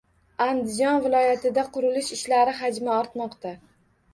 Andijon viloyatida qurilish ishlari hajmi ortmoqda